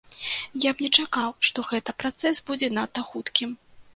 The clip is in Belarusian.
Я б не чакаў, што гэта працэс будзе надта хуткім.